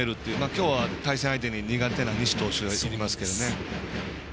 今日は対戦相手に苦手な西投手がいますけどね。